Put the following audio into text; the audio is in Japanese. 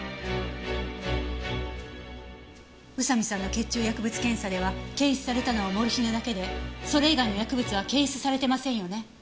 宇佐見さんの血中薬物検査では検出されたのはモルヒネだけでそれ以外の薬物は検出されてませんよね？